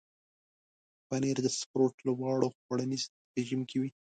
پنېر د سپورت لوبغاړو خوړنیز رژیم کې وي.